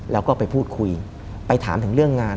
แล้วก็ไปพูดคุยไปถามถึงเรื่องงาน